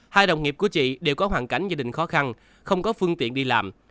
hai đồng nghiệp của chị đều có hoàn cảnh gia đình khó khăn không có phương tiện đi làm